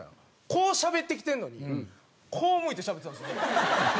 こうしゃべってきてるのにこう向いてしゃべってたんですよ。